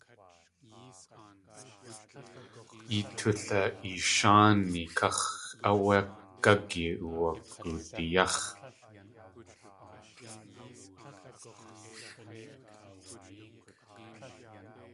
Yee tula.eesháani káx̲ áwé gági uwagudi yáx̲.